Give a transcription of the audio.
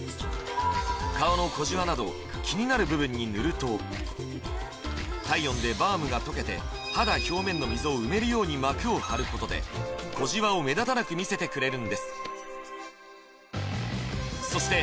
顔の小じわなど気になる部分に塗ると体温でバームが溶けて肌表面の溝を埋めるように膜をはることで小じわを目立たなく見せてくれるんですそして